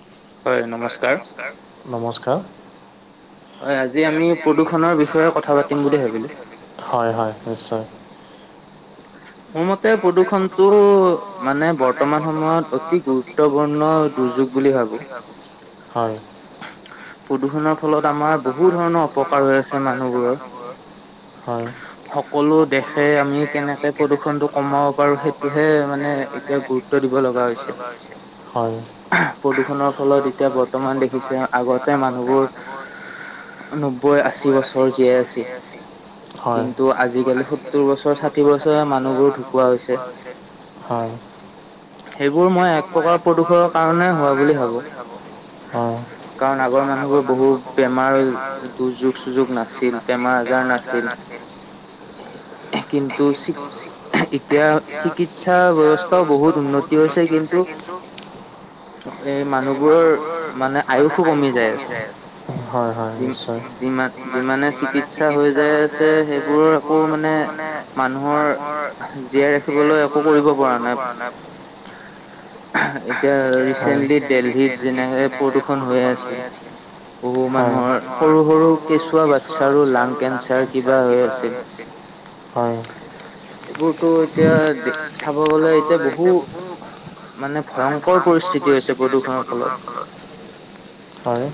[unintelligible] হয় নমস্কাৰ। নমস্কাৰ। হয় আজি আমি প্ৰদূষণৰ বিষয়ে কথা পাতিম বুলি ভাবিলোঁ। হয়, হয়, নিশ্চয়। মোৰ মতে প্ৰদূষণটো মানে বৰ্তমান সময়ত অতি গুৰুত্বপূৰ্ণ দুৰ্যোগ। দুৰ্যোগ বুলি ভাবিছোঁ, হয়। প্ৰদূষণৰ ফলত আমাৰ বহু ধৰণৰ অপকাৰ হৈ আছে মানুহবোৰৰ। সকলো দেশে আমি কেনেকে প্ৰদূষণ প্ৰদূষণটো কমাব পাৰোঁ, সেইটোহে মানে এতিয়া গুৰুত্ব দিব লগা হৈছে। প্ৰদূষণৰ ফলত এতিয়া বৰ্তমান দেখিছে, আগতে মানুহবোৰ নব্বৈ আশী বছৰ জীয়াই আছিল, কিন্তু আজিকালি সত্তৰ বছৰ ছা [unintelligible] বছৰে মা মানুহবোৰ ঢুকোৱা হৈছে হয়। সেইবোৰ মই এক প্ৰকাৰ প্ৰদূষৰৰ কাৰণে হোৱা বুলি ভাবোঁ। হয়। কাৰণ আগৰ মানুহবোৰ বহু বেমাৰ দুৰ্যোগ-সুৰ্যোগ নাছিল, বেমাৰ-আজাৰ নাছিল। [unintelligible] কিন্তু এতিয়া চিকিৎসা ব্যৱস্থাও বহুত উন্নতি হৈছে, কিন্তু এই মানুহবোৰৰ মানে আয়ুসো কমি যায় আছে। যি-যিমান যিমানে চিকিৎসা হৈ যাই আছে, সেইবোৰৰ একো মানে মানুহৰ জীয়াই ৰাখিবলৈ একো কৰিব পৰা নাই। এতিয়া ৰিচেন্টলি দেল্লীত যেনেকে প্ৰদূ্ষন হৈ আছিল। বহু মানুহৰ সৰু-সৰু কেঁচুৱা বাচ্ছাৰো লাং কেঞ্চাৰ কিবা হৈ আছিল। হয়। এইবোৰতো এতিয়া চাব গ'লে এতিয়া বহু, মানে ভয়ংকৰ পৰিস্থিতি হৈছে প্ৰদূষণৰ ফলত। হয়।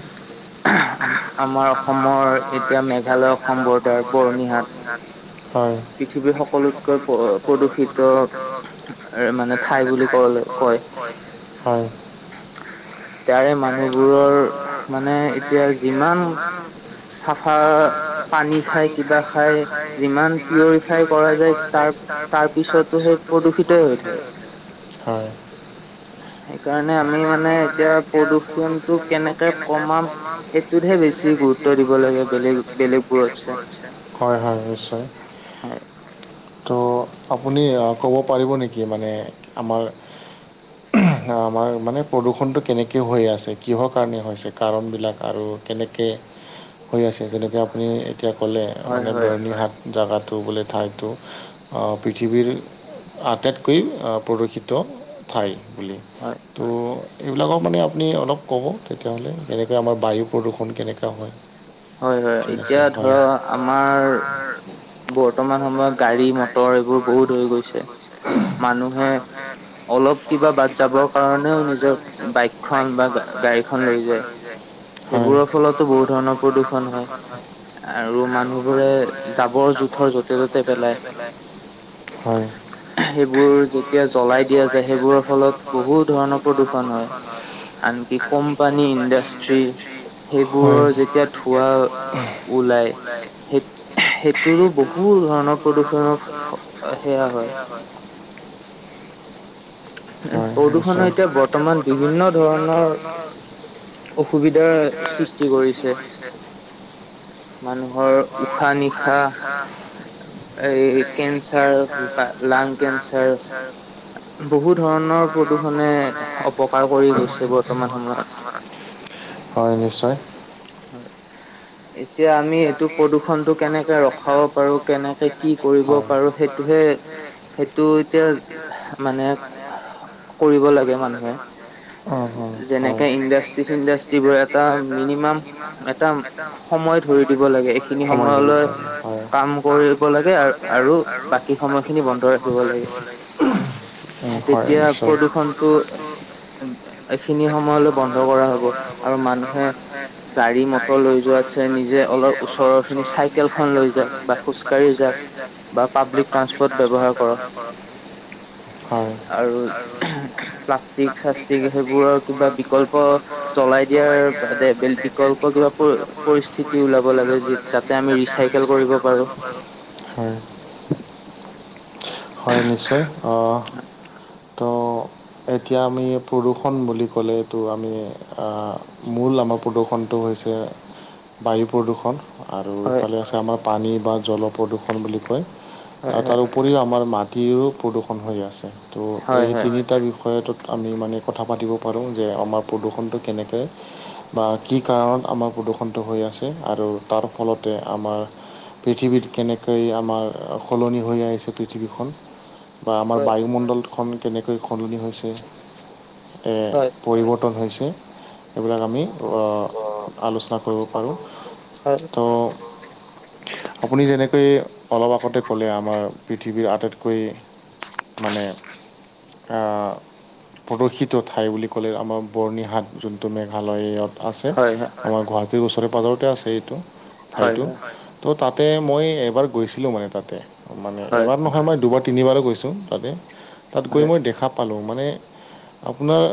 আমাৰ অসমৰ এতিয়া মেঘালয় সম্প্ৰদায় পৰ হয়। পৃথিৱীৰ সকলো প্ৰ-প্ৰদূষিত মানে ঠাই বুলি ক'লে কয়। [unintelligible] তাৰে মানুহবোৰৰ মানে এতিয়া যিমান চাফা পানী খাই, কিবা খাই, যিমান পিউৰিফাই কৰা যায়। কৰা যায় তাৰ-তাৰপিছতো সেই প্ৰদূষিতই হৈ থাকে। সেইকাৰণে আমি মানে এতিয়া প্ৰদূষণটো কেনেকে কমাম সেই এইটোতহে বেছি গুৰুত্ব দিব লাগে বেলেগ-বেলেগ বোৰতছে। হয়, হয়, নিশ্চয়। ত' আপুনি ক'ব পাৰিব নেকি মানে আমাৰ [unintelligible] আমাৰ মানে প্ৰদূষণটো কেনেকৈ হৈ আছে, কিহৰ কাৰণে হৈছে, কাৰণবিলাক আৰু কেনেকে? [inaudible] হৈ আছে যেনেকে আপুনি এতিয়া ক'লে মানে বৰ্ণি হাট জেগাটো বোলে ঠাই ত' পৃথিৱীৰ আটাইতকৈ প্ৰদূষিত ঠাই বুলি হয় ত' এইবিলাকৰ মানে আপুনি অলপ ক'ব তেতিয়াহ'লে কেনেকৈ আমাৰ বায়ু প্ৰদূষণ কেনেকুৱা হয় হয় হয় এতিয়া ধৰ আমাৰ বৰ্তমান সময়ত গাড়ী মটৰ এইবোৰ বহুত হৈ গৈছে মানুহে অলপ কিবা বাদ যাবৰ কাৰণেও নিজৰ বাইকখন বা গাড়ীখন লৈ যায়। সেইবোৰৰ ফলতো বহুত ধৰণৰ প্ৰদূষন হয় আৰু মানুহবোৰে জাবৰ জোথৰ য'তে ত'তে যতে ততে পেলাই হয়। সেইবোৰ যেতিয়া জ্বলাই দিয়া যায় সেইবোৰৰ ফলত বহুত ধৰণৰ প্ৰদূৰ্ষন হয় আৰু কোম্পানী ইণ্ডাষ্ট্ৰি সেইবোৰৰ যেতিয়া ধোৱা ওলাই সেইটোৰো বহু ধৰণৰ ধৰণৰ প্ৰদূষণৰ সেইয়া হয়। হয়, হয়, প্ৰদূষণৰ এতিয়া বৰ্তমান বিভিন্ন ধৰণৰ অসুবিধাৰ সৃষ্টি কৰিছে। মানুহৰ উশাহ নিশাহ এই কেনঞ্চাৰ লাং কেনঞ্চাৰ বহু ধৰণৰ প্ৰদূৰ্ষনে অপকাৰ কৰি গৈছে বৰ্তমান সময়ত। হয় নিশ্চয়। হয় এতিয়া আমি এইটো প্ৰদূষ টো কেনেকে ৰখাব পাৰো কেনেকে কি কৰিব পাৰো সেইটোহে টো এতিয়া মানে কৰিব লাগে মানুহে যেনেকে ইণ্ডাষ্ট্ৰি চিণ্ডাষ্ট্ৰিবোৰে এটা মিনিমাম এটা সময় ধৰি দিব লাগে। সময়লৈ কাম কৰিব লাগে আৰু বাকী সময়খিনি বন্ধ ৰাখিব লাগে। তেতিয়া প্ৰদূৰ্ষণতটো এইখিনি সময়লৈ বন্ধ কৰা হ'ব আৰু মানুহে গাড়ী মটৰ লৈ যোৱা শ্ৰেণী নিজে অলপ ওচৰৰখিনি চাইকেলখন লৈ যা বা খোজকাঢ়ি যা বা পাব্লিক ট্ৰাঞ্চপৰ্ট ব্যৱহাৰ কৰক। আৰু প্লাষ্টিক চাষ্টিক সেইবোৰৰ কিবা বিকল্প জ্বলাই দিয়াৰ বাদে বিকল্প কিবা পৰি পৰিস্থিতি ওলাব লাগে যাতে আমি ৰিচাইকেল কৰিব পাৰো। হয়, হয়, নিশ্চয়। তো এতিয়া আমি প্ৰদূষণ বুলি ক'লেতো আমি মূল আমাৰ প্ৰদূষণটো হৈছে বায়ু প্ৰদূৰষণ আৰু ইফালে আছে আমাৰ পানী বা জলপ্ৰদূৰষণ বুলি কয় আৰু তাৰ উপৰিও আমাৰ মাটিৰো প্ৰদূষণ হৈ আছে ত' এই তিনিটা বিষয়ত আমি মানে কথা পাতিব পাৰোঁ যে আমাৰ প্ৰদূষণটো কেনেকৈ বা কি কাৰণত আমাৰ প্ৰদূ্ষণটো হৈ আছে আৰু তাৰ ফলতে আমাৰ পৃথিৱীত কেনেকৈ আমাৰ সলনি হৈ আহিছে পৃথিৱীখন বা আমাৰ বায়ুমণ্ডলখন কেনেকৈ সলনি হৈছে এ পৰিৱৰ্তন হৈছে এইবিলাক আমি কৰিব পাৰোঁ তো আপুনি যেনেকৈ অলপ আগতে ক'লে আমাৰ পৃথিৱীৰ আটাইতকৈ মানে প্ৰদূশিত ঠাই বুলি ক'লে আমাৰ বৰ্ণিহাট যোনটো মেঘালয়ত আছে আমাৰ গুৱাহাটীৰ ওচৰে পাজৰতে আছে এইটো ঠাইটো তো তাতে মই এবাৰ গৈছিলোঁ মানে তাতে মানে এবাৰ নহয় মই দুবাৰ তিনিবাৰো গৈছোঁ। তাতে তাত গৈ মই দেখা পালোঁ মানে আপোনাৰ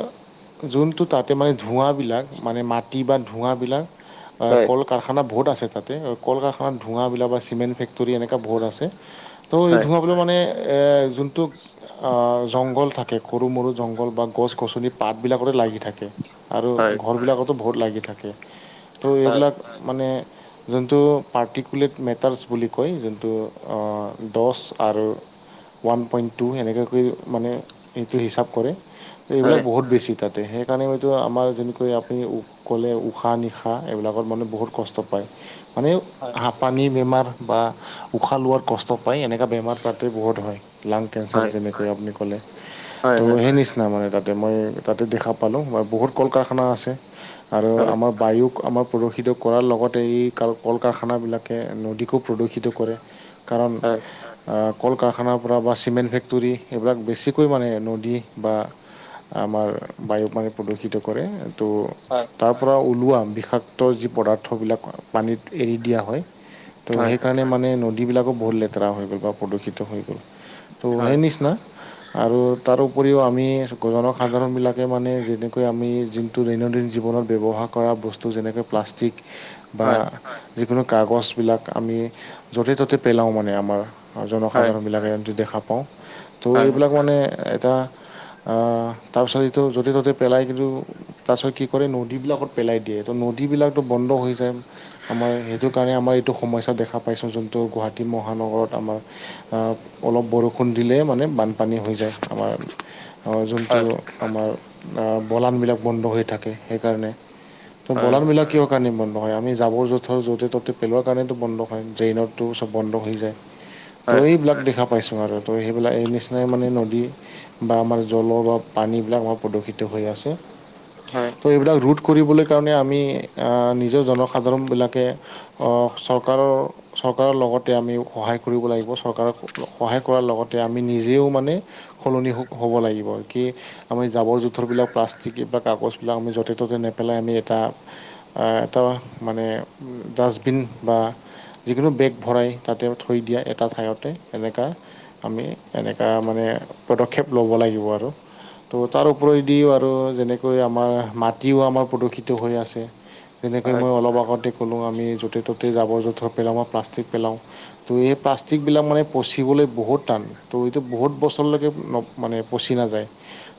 যোনটো তাতে মানে ধোঁৱাবিলাক মানে মাটি বা ধোঁৱাবিলাক কল কাৰখানা বহুত আছে তাতে কল কাৰ আাৰ ধোঁৱাবিলাক বা চিমেণ্ট ফেক্টৰী এনেকুৱা বহুত আছে তো এই ধোঁৱাবিলাক মানে যোনটো জংঘল থাকে সৰু মৰু জংঘল বা গছ গছনি পাতবিলাকতে লাগি থাকে অ আৰু ঘৰবিলাকতো বহুত লাগি থাকে ত' এইবিলাক মানে যোনটো পাৰ্টিকুলেট মেটাৰছ বুলি কয় যোনটো দছ আৰু ওৱান পইণ্ট টু সেনেকাকৈ মানে এইটো হিচাপ কৰে এইবিলাক বহুত বেছি তাত সেইকাৰণে হয়তো আমাৰ যেনেকৈ আপুনি ক'লে উশাহ নিশাহ এইবিলাকত মানে বহুত কষ্ট পায় মানে পানী বেমাৰ বা উশাহ লোৱাৰ কষ্ট এনো বেমাৰ তাতে বহুত হয় লাং কেঞ্চাৰ যেনেকুৱে আপুনি ক'লে ত' সেই নিচ তাৰ মানে তাতে মই তাতে দেখা পালোঁ বা বহুত কল কাৰখানা আছে আৰু আমাৰ বায়ু আমাৰ প্ৰদূষিত কৰাৰ লগতে এই ক কল কাৰখানাবিলাকে নদীকো প্ৰদূষিত কৰে কাৰণ কল কাৰখানাৰ পৰা বা চিমেণ্ট ফেক্টৰী এইবিলাক বেছিকৈ মানে নদী বা আমাৰ বায়ু পানী প্ৰদূষিত কৰে তো হয় তাৰ পৰাৰা ওলোৱা বিষাক্ত যি পদাৰ্থবিলাক পানীত এৰি দিয়া হয় ত' সেইকাৰণে মানে নদীবিলাকো বহুত লেতেৰা হৈ গ'ল বা প্ৰদূষিত হৈ গ'ল ত' সেই নিচিনা আৰু তাৰো উপৰিও আমি জনসাধাৰণবিলাকে মানে যেনেকৈ আমি টো দৈনন্দিন জীৱনত ব্যৱহাৰ কৰা বস্তু যেনেকৈ প্লাষ্টিক বা যিকোনো কাগজবিলাক আমি য'তে ত'তে পেলাওঁ মানে আমাৰ জনসাধাৰণ বিলাকেক যি দেখা পাওঁ তো এইবিলাক মানে এটা তাৰপিছত এইটো য'তে ত'তে পেলাই কিন্তু তাৰপিছত কি কৰে নদীবিলাকত পেলাই দিয়ে তো নদীবিলাকতো বন্ধ হৈ যায় আমাৰ সেইটো কাৰণে আমাৰ এইটো সমস্যা দেখা পাইছোঁ যোনটো গুৱাহাটী মহানগৰত আমাৰ অলপ বৰষুণ দিলে মানে বানপানী হৈ যায় আমাৰ যোনটো আমাৰ বলানবিলাক বন্ধ হৈ থাকে সেইকাৰণে ত' বলানবিলাক কিয় সেইকাৰণে কম হয় আমি জাবৰ জো'থৰ য'তে ততে পেলোৱাৰ কাৰণেতো হয় ড্ৰেইনতো চব বন্ধ হৈ যায় ত' এইবিলাক দেখা পাইছো আৰু ত সেইবিলাক এই নিচিনাই মানে নদী বা আমাৰ জলৰ বা পানীবিলাক আমাৰ প্ৰদূষিত হৈ আছে ত' এইবিলাক ৰোধ কৰিবলৈ কাৰণে আমি নিজৰ জনসাধাৰণবিলাকে চৰকাৰৰ চৰকাৰৰ লগতে আমি সহায় কৰিব লাগিব চৰকাৰৰ সহায় কৰাৰ লগতে আমি নিজেও মানে সলনি হ'ব লাগিব কি আমি জাবৰ জোঁথৰবিলাক প্লাষ্টিক এই কাগজবিলাক আমি য'তে ত'তে নেপেলাই আমি এটা এটা মানে ডাষ্টবিন বা যিকোনো বেগ ভৰাই তাতে থৈ দিয়া এটা ঠাইতে এনেককা আমি এনেকুৱা মানে পদক্ষেপ ল'ব লাগিব আৰু ত' তাৰও উপৰেদিও আৰু যেনেকৈ আমাৰ মাটিও আমাৰ প্ৰদূষিত হৈ আছে যেনেকৈ মই অলপ আগতেই ক'লোঁ আমি য'তে ত'তেই জাবৰ জোঁথৰ পাওঁ বা প্লাষ্টিক পেলাওঁ ত' এই প্লাষ্টিক বিলাক মানে পচিবলৈ বহুত টান ত' এইটো বহুত বছৰলৈকে মানে পচি নাযায়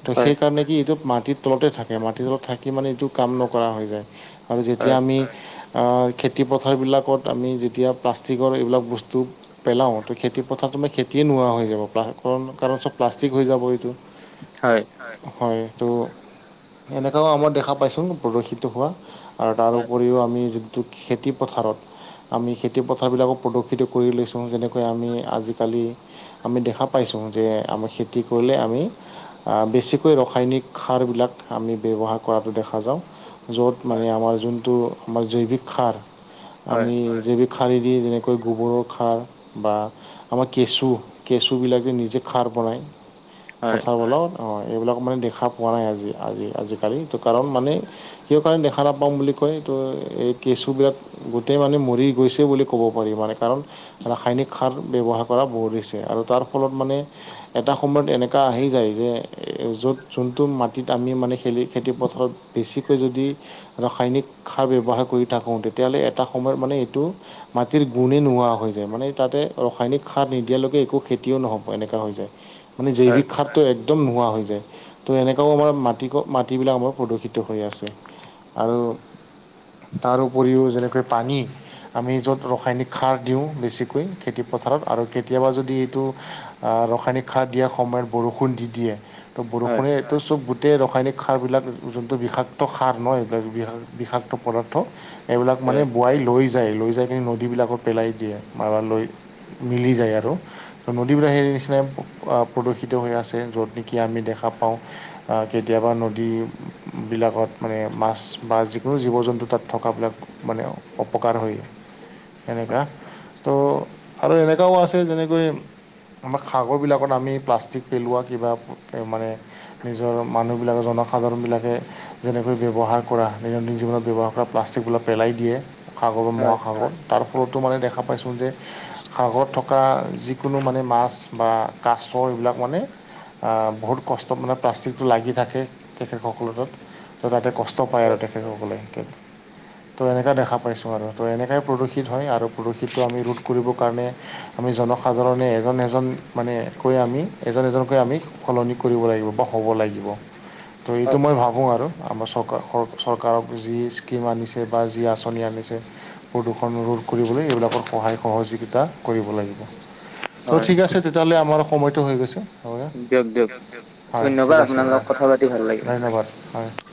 ত' সেই কাৰণে কি এইটো মাটিৰ তলতে থাকে মাটিৰ তলত থাকি মানে এইটো কাম নকৰা হৈ যায় আৰু যেতিয়া আমি খেতি পথাৰবিলাকত আমি যেতিয়া প্লাষ্টিকৰ এইবিলাক বস্তু পেলাওঁ তো খেতি পথাৰত মে খেতিয়ে নোহোৱা হৈ যাব প কাৰণ চব প্লাষ্টিক হৈ যাব এইটো। হয়। হয় ত' এনেকাও আমাৰ দেখা পাইছো প্ৰদূষিত হোৱা। আৰু তাৰ উপৰিও আমি যোনটো খেতি পথাৰত আমি খেতি পথাৰবিলাকো প্ৰদূষিত কৰি লৈছোঁ যেনেকৈ আমি আজিকালি আমি দেখা পাইছোঁ যে আমাৰ খেতি কৰিলে আমি বেছিকৈ ৰাসায়নিক সাৰবিলাক আমি ব্যৱহাৰ কৰাতো দেখা যাওঁ। য'ত মানে আমাৰ যোনটো আমাৰ জৈৱিক সাৰ আমি জৈৱিক খাৰীদি যেনেকৈ গোবৰৰ খাৰ বা আমাৰ কেঁচু কেঁচুবিলাকে নিজে খাৰ বনায় পথাৰবও অঁ', এইবিলাক মানে দেখা পোৱা নাই আজি আজি আজিকালি তটো কাৰণ মানে কিহৰ কাৰণে দেখা নাপাওঁ বুলি কয় এইটো এই কেঁচুবিলাক গোটেই মানে মৰি গৈছে বুলি ক'ব পাৰি মানে কাৰণ ৰাসায়নিক সাৰ ব্যৱহাৰ কৰা বহুত হৈছে আৰু তাৰ ফলত মানে এটা সময়ত এনেকুৱা আহি যায় যে য'ত যোনটো মাটিত আমি মানে খেলি খেতি পথাৰত বেছিকৈ যদি ৰাসায়নিক সাৰ ব্যৱহাৰ কৰি থাকোঁ তেতিয়াহ'লে এটা সময়ত মানে এইটো মাটিৰ গুণেই নোহোৱা হৈ যায় মানে তাতে ৰাসায়নিক সাৰ নিদিয়ালৈকে একো খেতিও নহব এনেকুৱা হৈ যায়। মানে জৈৱিক খাৰ একদম নোহোৱা হৈ যায় ত' এনেকাও আমাৰ মাটি মাটিবিলাক আমাৰ প্ৰদূষিত হৈ আছে। আৰু তাৰ উপৰিও যেনেকৈ পানী আমি য'ত ৰাসায়নিক সাৰ দিওঁ বেছিকৈ খেতি পথাৰত আৰু কেতিয়াবা যদি এইটো ৰাসায়নিক সাৰ দিয়া সময়ত বৰষুণ দি দিয়ে ত বৰষুণেটো চব গোটেই ৰাসায়নিক সাৰবিলাক যোনটো বিষাক্ত সাৰ নহ এইবিলাক বিষাক্ত পদাৰ্থ এইবিলাক মানে বোৱাই লৈ যায় লৈ যায় কি নদীবিলাকত পেলাই দিয়ে বা লৈ মিলি যায় আৰু। নদীবিলাক সেই নিচিনাই আহ প্ৰদূষিত হৈ আছে যত নেকি আমি দেখা পাওঁ। কেতিয়াবা নদীবিলাকত মানে মাছ বা যিকোনো জীৱ জন্তু তাত থকাবিলাক মানে অপকাৰ হয় সেনেকা। ত' আৰু এনেকুৱাও আছে যেনেকৈ আমাৰ সাগৰবিলাকত আমি প্লাষ্টিক পেলোৱা কিবা মানে নিজৰ মানুহবিলাকৰ জনসাধাৰণবিলাকে যেনেকৈ ব্যৱহাৰ কৰা দৈনন্দিন জীৱনত ব্যৱহাৰ কৰা ৰা প্লাষ্টিকবিলাক পেলাই দিয়ে সাগৰ বা মহাসাগৰ। তাৰ ফলতো মানে দেখা পাইছোঁ যে সাগৰত থকা যিকোনো মানে মাছ বা কাছৰ এইবিলাক মানে বহুত কষ্ট মানে প্লাষ্টিকটো লাগি থাকে তেখেতসকলৰ' তাতে কষ্ট কষ্ট পায় আৰু তেখেতসকলে সখেত। তো এনেকুৱৈ দেখা পাইছোঁ আৰু তো এনেকাই প্ৰদূষিত হয় আৰু প্ৰদূষিতটো আমি ৰোধ কৰিবৰ কাৰণে আমি জনসাধাৰণে এজন এজন মানে কৈ আমি এজন এজনকৈ আমি সলনি কৰিব লাগিব বা হ'ব লাগিব। ত' এইটো মই ভাবোঁ আৰু আমাৰ চৰকাৰ চৰকাৰক যি স্কীম আনিছে বা যি আঁচনি আনিছে প্ৰদূষণ ৰোধ কৰিবলৈ এইবিলাকৰ সহায় সহযোগিতা কৰিব লাগিব ঠিক আছে তেতিয়াহ'লে আমাৰ সময়টো হৈ গছে। হয় ঠিক আছে দ ধন্যবাদ হয়।